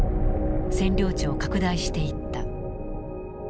占領地を拡大していった。